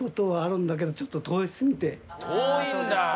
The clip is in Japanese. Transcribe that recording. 遠いんだ。